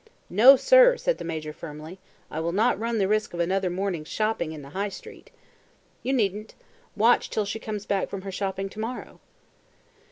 "No, sir," said the Major firmly. "I will not run the risk of another morning's shopping in the High Street." "You needn't. Watch till she comes back from her shopping to morrow."